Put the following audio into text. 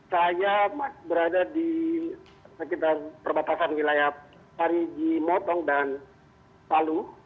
saya berada di sekitar perbatasan wilayah parigi motong dan palu